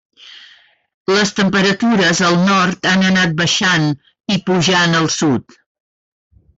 Les temperatures al nord han anat baixant i pujant al sud.